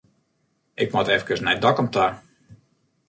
Ik moat efkes nei Dokkum ta.